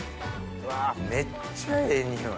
めっちゃええ匂い！